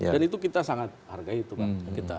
dan itu kita sangat hargai itu kan